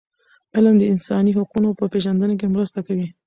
علم د انساني حقونو په پېژندنه کي مرسته کوي.